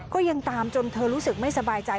ก็ยังตามจนเธอรู้สึกไม่สบายใจ